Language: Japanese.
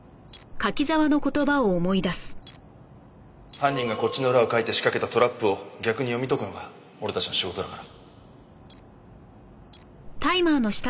犯人がこっちの裏をかいて仕掛けたトラップを逆に読み解くのが俺たちの仕事だから。